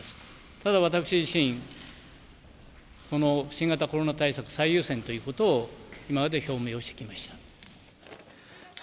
ただ私自身、この新型コロナ対策最優先ということを、今まで表明をしてきまし菅